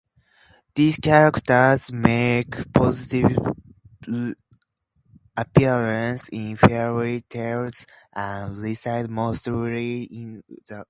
These characters make positive appearances in fairy tales and reside mostly in the woods.